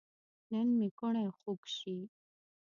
نن مې کوڼۍ خوږ شي